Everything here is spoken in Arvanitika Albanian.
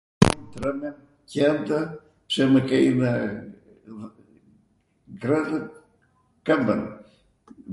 trwmbem qwntw pse mw kejnw ... ngrwnw kwmbwn.